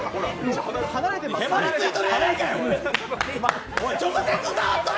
へばりついとるやないかい。